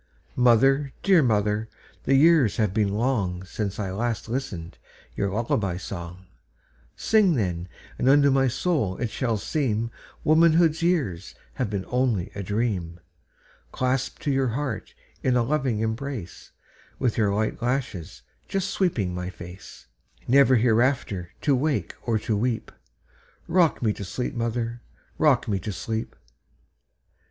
Mother, dear mother, the years have been longSince I last listened your lullaby song:Sing, then, and unto my soul it shall seemWomanhood's years have been only a dream. Clasped to your heart in a loving embrace, With your light lashes just sweeping my face, Never hereafter to wake or to weep;—Rock me to sleep, mother,—rock me to sleep!